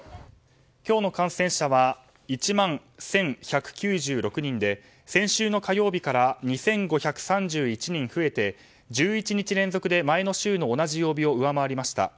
今日の感染者は１万１１９６人で先週の火曜日から２５３１人増えて１１日連続で前の週の同じ曜日を上回りました。